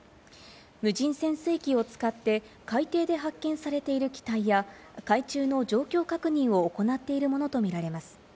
無人潜水機を使って海底で発見されている機体や海中の状況確認を行っているものとみられます。